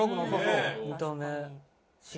見た目。